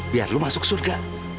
biar lu masuk surga